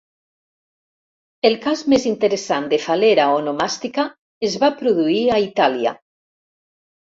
El cas més interessant de fal·lera onomàstica es va produir a Itàlia.